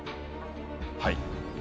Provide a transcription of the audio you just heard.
はい！